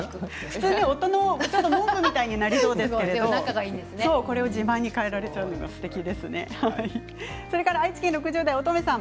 普通、夫の文句みたいになりそうですがこれを自慢に変えられるのが、すてきですね。